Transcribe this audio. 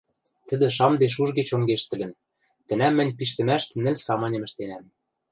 Тӹдӹ шамде шужге чонгештӹлӹн, тӹнӓм мӹнь пиштӹмӓштӹ нӹл самыньым ӹштенӓм.